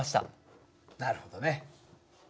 なるほどね。